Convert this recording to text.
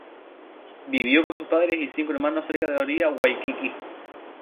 Vivió con sus padres y cinco hermanos cerca de la orilla de Waikiki.